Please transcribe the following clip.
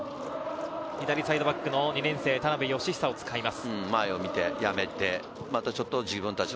左サイドバックの２年生・田辺幸久を使います。